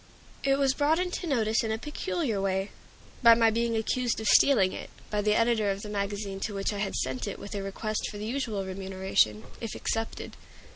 It was brought into notice in a peculiar way, by my being accused of stealing it, by the editor of the magazine to which I had sent it with a request for the usual remuneration, if accepted.